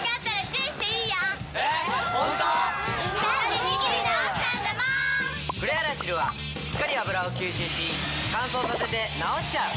クレアラシルはしっかり脂を吸収し乾燥させて治しちゃう。